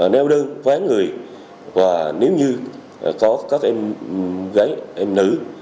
neo đơn vé người và nếu như có các em gái em nữ